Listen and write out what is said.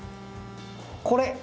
これ。